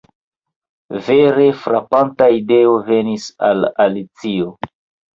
Vere frapanta ideo venis al Alicio.